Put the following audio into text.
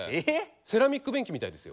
セラミックス便器みたいですよ。